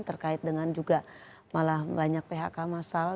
terkait dengan juga malah banyak phk masal